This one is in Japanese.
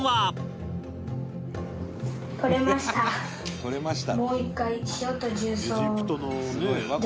「“取れました”」